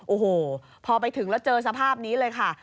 โอ้โหพอไปถึงแล้วเจอสภาพนี้เลยค่ะ